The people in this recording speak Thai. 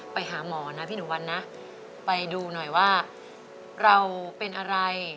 ไปหาหมอนะพี่หนูวันนะไปดูหน่อยว่าเราเป็นอะไร